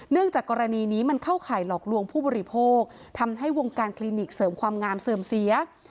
จากกรณีนี้มันเข้าข่ายหลอกลวงผู้บริโภคทำให้วงการคลินิกเสริมความงามเสื่อมเสีย